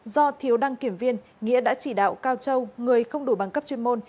do thiếu đăng kiểm viên nghĩa đã chỉ đạo cao châu người không đủ bằng cấp chuyên môn